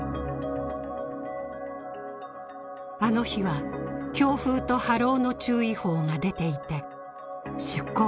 あの日は強風と波浪の注意報が出ていて出航